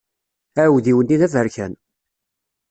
Aɛudiw-nni d aberkan.